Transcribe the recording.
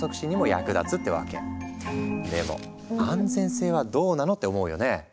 でも「安全性はどうなの？」って思うよね？